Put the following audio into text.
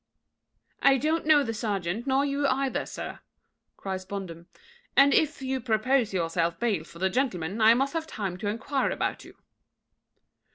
"I don't know the serjeant nor you either, sir," cries Bondum; "and, if you propose yourselves bail for the gentleman, I must have time to enquire after you."